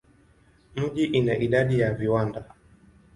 Mji ina idadi ya viwanda.